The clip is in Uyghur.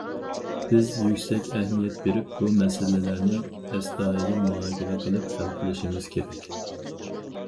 بىز يۈكسەك ئەھمىيەت بېرىپ، بۇ مەسىلىلەرنى ئەستايىدىل مۇھاكىمە قىلىپ ھەل قىلىشىمىز كېرەك.